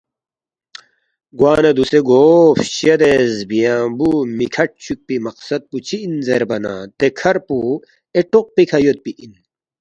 گوانہ دوسے گو فشدے زبیانگبُو مِہ کھٹ چوکپی مقصد پو چِہ اِن زیربا نہ دے کھر پو اے ٹوق پیکھہ یودپی اِن